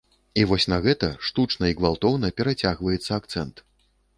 І вось на гэта штучна і гвалтоўна перацягваецца акцэнт.